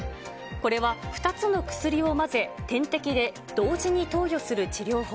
これは２つの薬を混ぜ、点滴で同時に投与する治療法。